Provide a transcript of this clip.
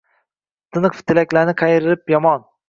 Tiniq tilaklari qayrilib yomon